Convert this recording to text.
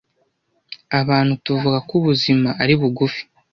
Abantu tuvuga ko ubuzima ari bugufi.